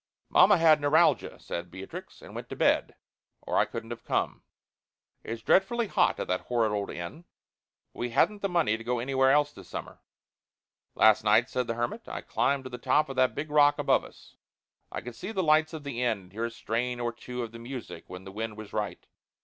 "Mamma had neuralgia," said Beatrix, "and went to bed, or I couldn't have come. It's dreadfully hot at that horrid old inn. But we hadn't the money to go anywhere else this summer." "Last night," said the hermit, "I climbed to the top of that big rock above us. I could see the lights of the inn and hear a strain or two of the music when the wind was right.